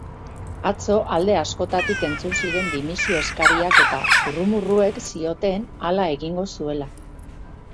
Atzo alde askotatik entzun ziren dimisio eskariak eta zurrumurruek zioten hala egingo zuela.